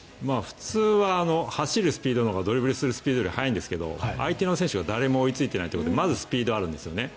普通は走るスピードのほうがドリブルするスピードより速いんですが相手の選手が誰も追いついていないということでまずスピードがあるんですよね。